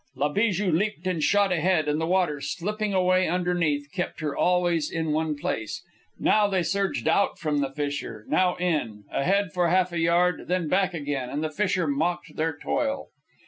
La Bijou leaped and shot ahead, and the water, slipping away underneath, kept her always in one place. Now they surged out from the fissure, now in; ahead for half a yard, then back again; and the fissure mocked their toil.